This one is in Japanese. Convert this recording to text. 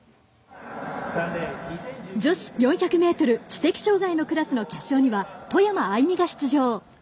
女子４００ｍ知的障がいのクラスの決勝には外山愛美が出場。